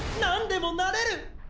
なんでもなれる！